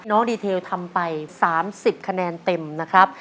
ดีเทลทำไป๓๐คะแนนเต็มนะครับ